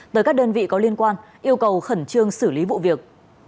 tới các đơn vị có liên quan yêu cầu khẩn trương xử lý vụ việc